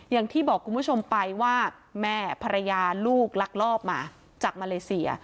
อย่างที่บอกคุณผู้ชมไปว่าแม่ภรรยาลูกลักลอบมาจากมาเลเซีย